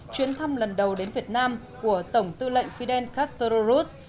chuyến thăm lần đầu đến việt nam của tổng tư lệnh fidel castro ruz